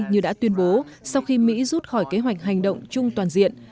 như đã tuyên bố sau khi mỹ rút khỏi kế hoạch hành động chung toàn diện